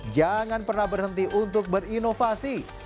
jangan pernah berhenti untuk berinovasi